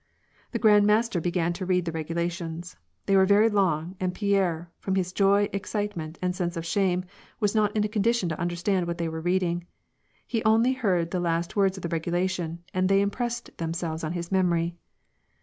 The Grand Master began to read the regulations. They were very long, and Pierre, from his joy, excitement, and sense of shame, was not in a condition to understand what they were reading. He heard only the last words of the regulations, and they impressed themselves on his memory."